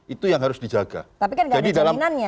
itu yang harus dijaga tapi kan enggak ada jaminannya